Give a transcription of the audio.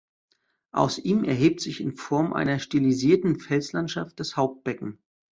Aus ihm erhebt sich in Form einer stilisierten Felslandschaft das Hauptbecken.